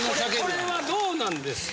これはどうなんですか？